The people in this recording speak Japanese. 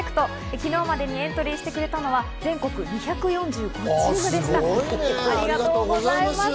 昨日までにエントリーしてくれたのは全国２４５チームでした、ありがとうございます。